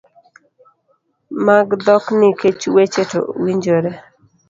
mag dhok nikech weche to winjore